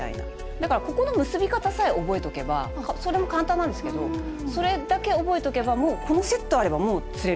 だからここの結び方さえ覚えとけばそれも簡単なんですけどそれだけ覚えとけばもうこのセットあればもう釣れる。